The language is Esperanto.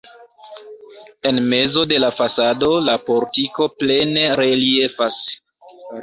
En mezo de la fasado la portiko plene reliefas.